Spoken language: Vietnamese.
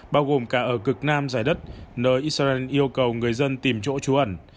bao gồm cả ở cực nam giải đất nơi israel yêu cầu người dân tìm chỗ trú ẩn